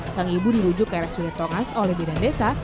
sang ibu dirujuk ke rsud tongas oleh bidan desa